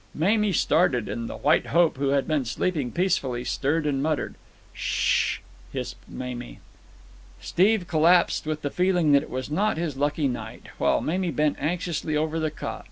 Mamie started, and the White Hope, who had been sleeping peacefully, stirred and muttered. "S sh!" hissed Mamie. Steve collapsed with the feeling that it was not his lucky night, while Mamie bent anxiously over the cot.